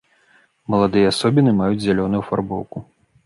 Маладыя асобіны маюць зялёную афарбоўку.